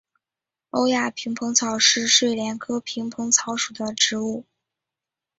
欧亚萍蓬草是睡莲科萍蓬草属的植物。